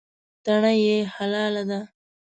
تڼۍ یې خلال ده.